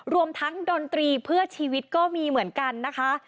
รวมทั้งดนตรีเพื่อชีวิตก็มีเหมือนกันนะคะ